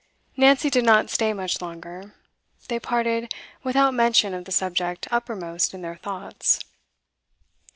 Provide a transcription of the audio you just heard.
Nancy did not stay much longer; they parted without mention of the subject uppermost in their thoughts.